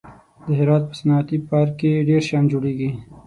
د هرات په صنعتي پارک کې ډېر شیان جوړېږي.